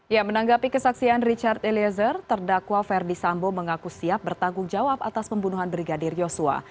ya menanggapi kesaksian richard eliezer terdakwa ferdi sambo mengaku siap bertanggung jawab atas pembunuhan brigadir yosua